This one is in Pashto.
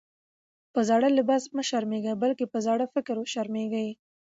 په زاړه لباس مه شرمېږئ! بلکي په زاړه فکر وشرمېږئ.